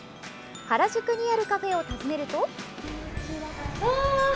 原宿にあるカフェを訪ねると。